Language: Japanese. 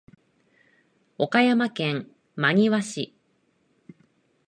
岡山県真庭市